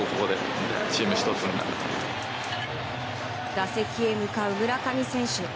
打席へ向かう村上選手。